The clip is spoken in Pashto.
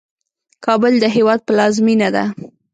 کابل د هیواد پلازمېنه ده.